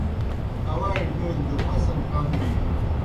اواڙیْ ڈولیْ دہ فصل کم بِینوْ۔